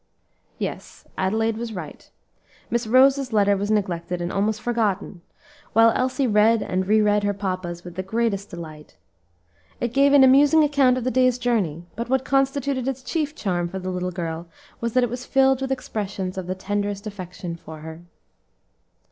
Yes, Adelaide was right. Miss Rose's letter was neglected and almost forgotten, while Elsie read and reread her papa's with the greatest delight. It gave an amusing account of the day's journey; but what constituted its chief charm for the little girl was that it was filled with expressions of the tenderest affection for her.